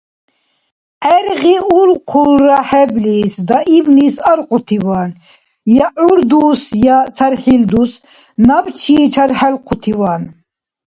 Гӏергъиулхъулра хӏеблис Даимлис аркьутиван,Я гӏур дус, я цархӏил дус Набчи чархӏелхъутиван.